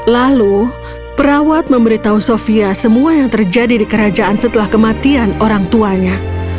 lalu perawat memberitahu sofia semua yang terjadi di kerajaan setelah kematian orang tuanya